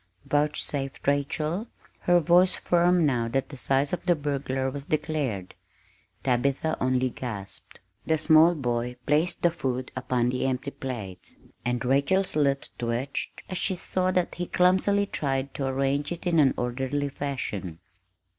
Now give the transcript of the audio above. vouchsafed Rachel, her voice firm now that the size of the "burglar" was declared. Tabitha only gasped. The small boy placed the food upon the empty plates, and Rachel's lips twitched as she saw that he clumsily tried to arrange it in an orderly fashion.